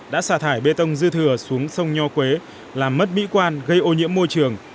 đã xả thải bê tông dư thừa xuống sông nho quế làm mất mỹ quan gây ô nhiễm môi trường